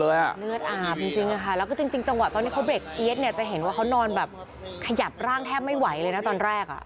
เลือดอาบจริงค่ะแล้วก็จริงจังหวะตอนที่เขาเรกเอี๊ยดเนี่ยจะเห็นว่าเขานอนแบบขยับร่างแทบไม่ไหวเลยนะตอนแรกอ่ะ